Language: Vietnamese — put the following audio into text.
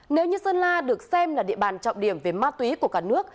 nếu như sơn la được xem là địa bàn trọng điểm về ma túy của cả nước